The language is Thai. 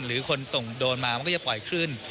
หรือคนส่งโดรนมามันก็จะปล่อยขึ้น